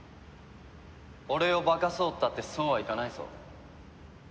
俺を化かそうったってそうはいかないぞ。